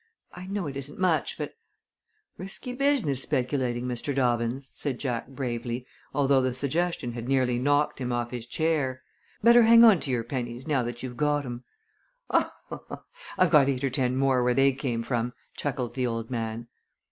"I know it isn't much, but " "Risky business, speculating, Mr. Dobbins," said Jack, bravely, although the suggestion had nearly knocked him off his chair. "Better hang on to your pennies, now that you've got 'em." "Oh, I've got eight or ten more where they came from," chuckled the old man.